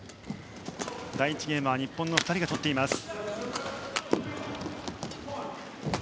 第１ゲームは日本の２人が取っています。